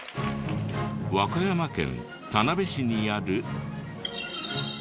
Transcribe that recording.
和歌山県田辺市にある。